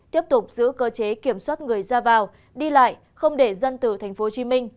tiếp tục giữ cơ chế kiểm soát người ra vào đi lại không để dân tử thành phố hồ chí minh